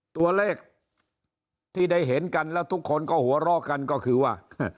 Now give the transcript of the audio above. ตัวเลขที่ได้เห็นกันแล้วทุกคนก็หัวเราะกันก็คือว่า